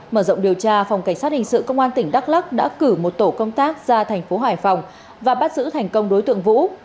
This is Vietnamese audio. mở rộng điều tra phòng cảnh sát hình sự công an tỉnh đắk lắc đã cử một tổ công tác ra thành phố hải phòng và bắt giữ thành công đối tượng vũ